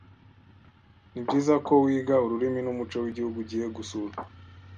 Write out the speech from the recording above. Nibyiza ko wiga ururimi numuco wigihugu ugiye gusura.